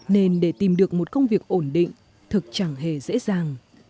nên để tìm được một công việc ổn định thực chẳng hề dễ dàng